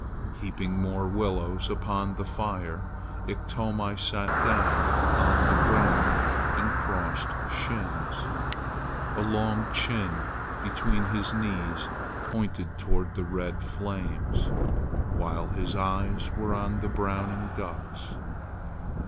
Heaping more willows upon the fire, Iktomi sat down on the ground with crossed shins. A long chin between his knees pointed toward the red flames, while his eyes were on the browning ducks.